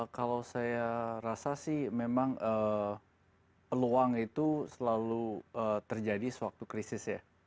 kalau saya rasa sih memang peluang itu selalu terjadi sewaktu krisis ya